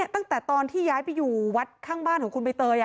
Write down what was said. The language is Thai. ตั้งแต่ตอนที่ย้ายไปอยู่วัดข้างบ้านของคุณใบเตย